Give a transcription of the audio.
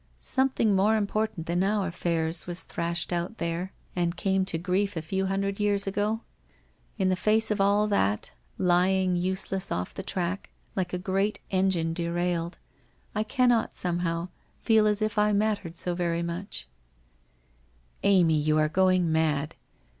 Something more im portant than our affairs was thrashed out there and came to grief a few hundred years ago. In the face of WHITE ROSE OF WEARY LEAF 307 all that, lying useless of! the track, like a great engine derailed, I cannot somehow, feel as if I mattered so very much/ ' Amy, you are going mad.